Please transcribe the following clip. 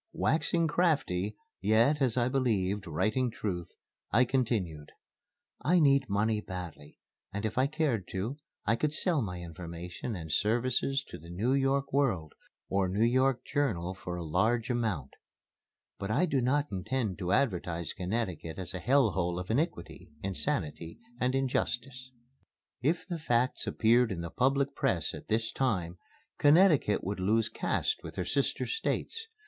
Waxing crafty, yet, as I believed, writing truth, I continued: "I need money badly, and if I cared to, I could sell my information and services to the New York World or New York Journal for a large amount. But I do not intend to advertise Connecticut as a Hell hole of Iniquity, Insanity, and Injustice. If the facts appeared in the public press at this time, Connecticut would lose caste with her sister States.